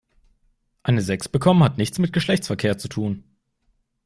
Eine Sechs bekommen hat nichts mit Geschlechtsverkehr zu tun.